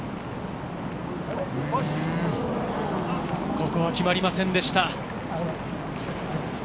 ここは決まりませんでした。